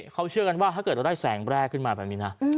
เขาเชื่อกันว่าถ้าเกิดเราได้แสงแรกขึ้นมาแบบนี้นะ